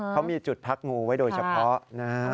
เขามีจุดพักงูไว้โดยเฉพาะนะฮะ